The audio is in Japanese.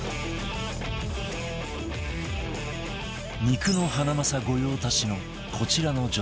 肉のハナマサ御用達のこちらの女性